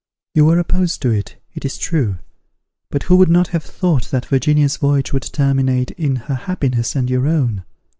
You were opposed to it, it is true; but who would not have thought that Virginia's voyage would terminate in her happiness and your own?